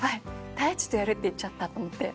大知とやるって言っちゃった」と思って。